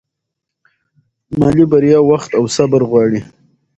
مالي بریا وخت او صبر غواړي.